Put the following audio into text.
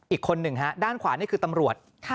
อีกคนหนึ่งฮะด้านขวานี่คือตำรวจ